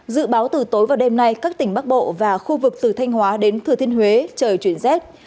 dự báo từ tối và đêm nay các tỉnh bắc bộ và khu vực từ thanh hóa đến thừa thiên huế trời chuyển rét